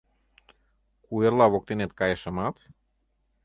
Куэрла воктенет кайышымат -